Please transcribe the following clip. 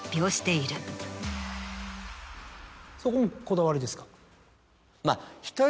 そこもこだわりですか？